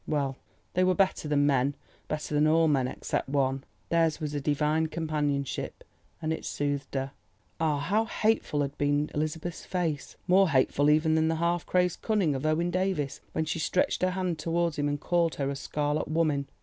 Well, they were better than men—better than all men except one. Theirs was a divine companionship, and it soothed her. Ah, how hateful had been Elizabeth's face, more hateful even than the half crazed cunning of Owen Davies, when she stretched her hand towards her and called her "a scarlet woman."